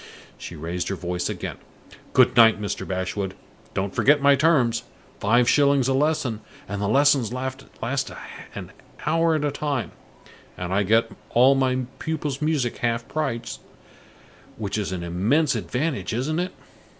She raised her voice again. "Goodnight, Mr. Bashwood! Don't forget my terms. Five shillings a lesson, and the lessons last an hour at a time, and I get all my pupils' music half price, which is an immense advantage, isn't it?"